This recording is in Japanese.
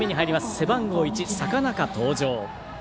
背番号１、坂中登場。